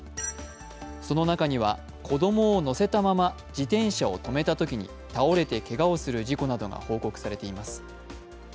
その中には、子供を乗せたまま自転車を止めたときに倒れてけがをする事故などが報告されています。